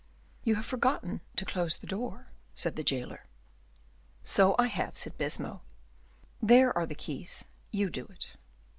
"You have forgotten to close the door," said the jailer. "So I have," said Baisemeaux; "there are the keys, do you do it."